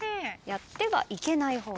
やってはいけない方。